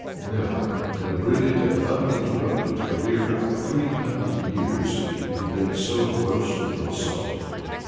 Never, in a brilliant and uninterrupted career of three hundred years, had he been so grossly insulted.